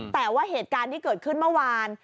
แต่ว่าเหตุการณ์ที่เกิดขึ้นเมื่อวาน